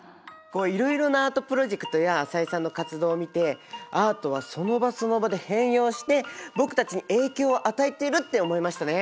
いろいろなアートプロジェクトや淺井さんの活動を見てアートはその場その場で変容して僕たちに影響を与えているって思いましたね。